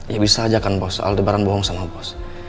ya bisa aja kan bos aldebaran bohong sama bos